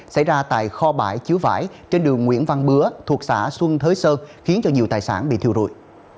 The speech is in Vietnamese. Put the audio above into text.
xảy ra tại kho bãi chứa vải trên đường nguyễn văn bứa thuộc xã xuân thới sơn khiến cho nhiều tài sản bị thiêu rụi